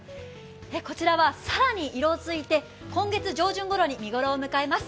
こちらは更に色づいて、今月上旬頃に見頃を迎えます。